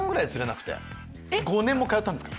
５年も通ったんですか？